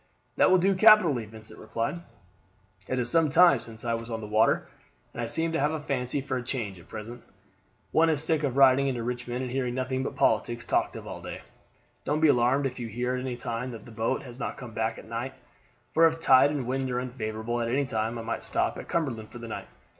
"That will do capitally," Vincent replied. "It is some time since I was on the water, and I seem to have a fancy for a change at present. One is sick of riding into Richmond and hearing nothing but politics talked of all day. Don't be alarmed if you hear at any time that the boat has not come back at night, for if tide and wind are unfavorable at any time I might stop at Cumberland for the night."